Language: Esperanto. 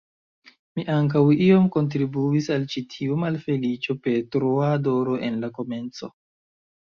Mi ankaŭ iom kontribuis al ĉi tiu malfeliĉo per troa adoro en la komenco.